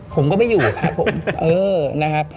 ผมก็ไม่อยู่ครับผม